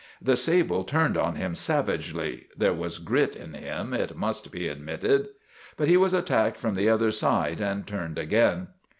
The sable turned on him savagely there was grit in him, it must be admitted. But he was attacked from the other side and turned again.